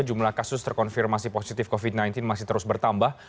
jumlah kasus terkonfirmasi positif covid sembilan belas masih terus bertambah